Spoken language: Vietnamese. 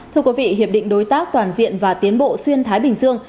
thưa quý vị hiệp định đối tác toàn diện và tiến bộ xuyên thái bình dương